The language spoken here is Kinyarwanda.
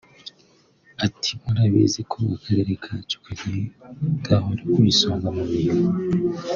Ati “Murabizi ko akarere kacu kagiye gahora ku isonga mu mihigo